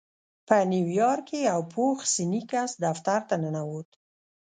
په نيويارک کې يو پوخ سنی کس دفتر ته ننوت.